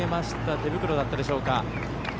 手袋だったでしょうか。